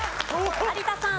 有田さん。